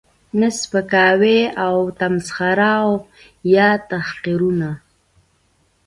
، نه سپکاوی، تمسخر یا تحقیرونه